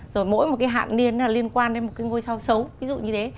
rồi mỗi một cái hạn niên là liên quan đến một cái ngôi sao xấu ví dụ như thế